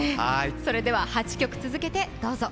それでは８曲続けてどうぞ。